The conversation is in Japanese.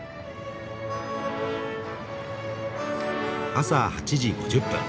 朝８時５０分。